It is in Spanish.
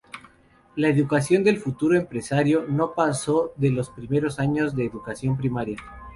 La educación del futuro empresario no pasó de los primeros años de educación primaria.